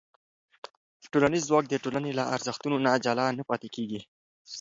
ټولنیز ځواک د ټولنې له ارزښتونو نه جلا نه پاتې کېږي.